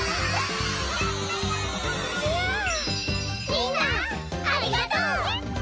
みんなありがとう！